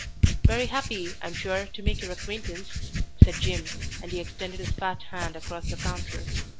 "Very 'appy, I'm sure, to make your acquaintance," said Jim, and he extended his fat hand across the counter.